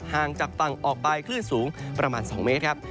ห่างจากฝั่งออกไปคลื่นสูงประมาณ๒เมตรครับ